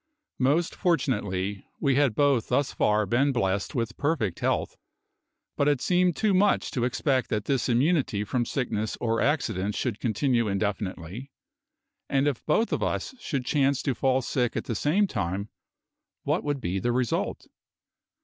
Most fortunately, we had both thus far been blessed with perfect health; but it seemed too much to expect that this immunity from sickness or accident should continue indefinitely; and if both of us should chance to fall sick at the same time, what would be the result?